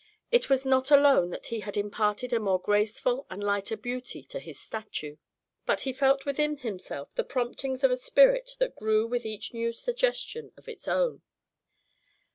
It was not alone that he had imparted a more graceful and lighter beauty to his statue, but he felt within himself the promptings of a spirit that grew with each new suggestion of its own.